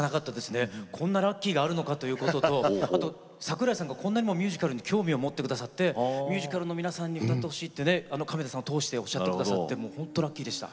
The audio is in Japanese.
こんなラッキーがあるのかということとあと桜井さんがこんなにもミュージカルに興味を持ってくださってミュージカルの皆さんに歌ってほしいってね亀田さんを通しておっしゃってくださってもうほんとラッキーでした。